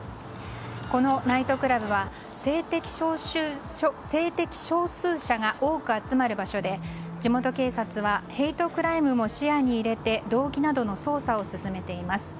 このナイトクラブは性的少数者が多く集まる場所で地元警察はヘイトクライムも視野に入れて動機などの捜査を進めています。